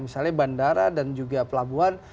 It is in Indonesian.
misalnya bandara dan juga pelabuhan